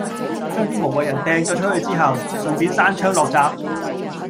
將啲無謂人掟咗出去之後，順便閂窗落閘